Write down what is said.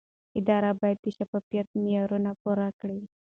اداره باید د شفافیت معیارونه پوره کړي.